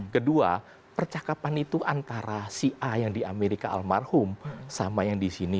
kedua percakapan itu antara si a yang di amerika almarhum sama yang di sini